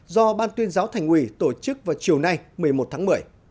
do ban tuyên giáo thành ủy tổ chức vào chiều nay một mươi một tháng một mươi